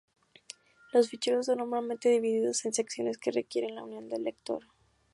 Los ficheros son normalmente divididos en secciones que requieren la unión del lector.